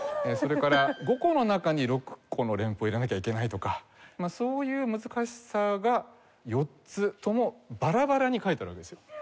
それから５個の中に６個の連符を入れなきゃいけないとかそういう難しさが４つともバラバラに書いてあるわけですよ。